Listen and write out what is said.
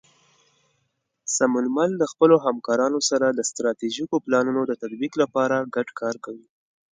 سمونمل د خپلو همکارانو سره د ستراتیژیکو پلانونو د تطبیق لپاره ګډ کار کوي.